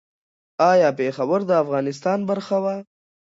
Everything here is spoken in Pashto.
ایا پېښور د افغانستان برخه وه؟